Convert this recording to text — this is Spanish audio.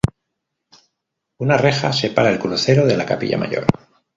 Una reja separa el crucero de la capilla mayor.